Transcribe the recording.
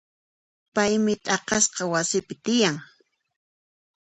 Paymi t'aqasqa wasipi tiyan.